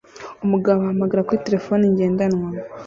Umugabo ahamagara kuri terefone ngendanwa